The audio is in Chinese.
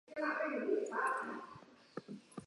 该技术亦加强其防伪能力。